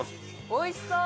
おいしそう！